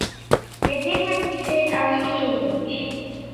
The differences are huge.